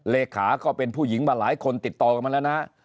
เลขาก็เป็นผู้หญิงมาหลายคนติดต่อกันมาแล้วนะ